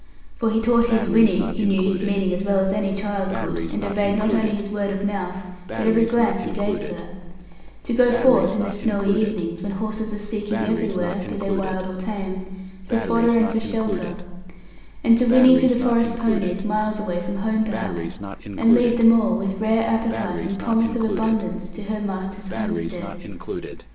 For he taught his Winnie (who knew his meaning as well as any child could, and obeyed not only his word of mouth, but every glance he gave her) to go forth in the snowy evenings when horses are seeking everywhere (be they wild or tame) for fodder and for shelter; and to whinny to the forest ponies, miles away from home perhaps, and lead them all with rare appetites and promise of abundance, to her master's homestead.